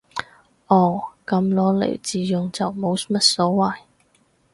哦，噉攞嚟自用就冇乜所謂